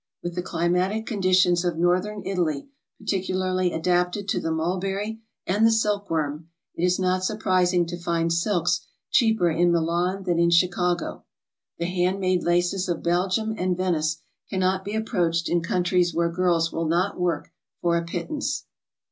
With the climatic conditions of Northern Italy particularly adapted to the mulberry and the silk worm, it is not surprising to find silks cheaper in Milan than in Chicago. The hand made laces of Belgium and Venice can not be approached in countries where girls will not work for a pittance.